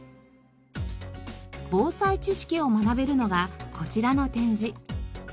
防災知識を学べるのがこちらの展示。